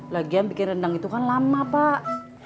lagian bikin rendang itu kan lama pak